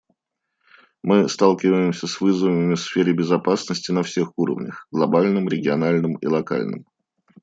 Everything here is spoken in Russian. Мы сталкиваемся с вызовами в сфере безопасности на всех уровнях — глобальном, региональном и локальном.